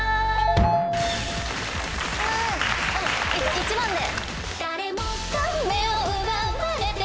１番で。